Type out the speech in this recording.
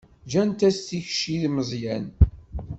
Gant-as tikci i Meẓyan.